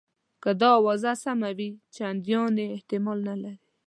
که دا آوازه سمه وي چنداني احتمال نه لري.